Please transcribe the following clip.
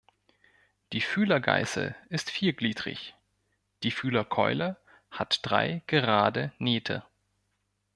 Die Fühlergeißel ist viergliedrig, die Fühlerkeule hat drei gerade Nähte.